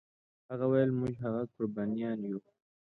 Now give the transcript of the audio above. هغه ویل موږ هغه قربانیان یو.